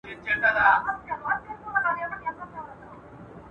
ولي هوډمن سړی د مستحق سړي په پرتله خنډونه ماتوي؟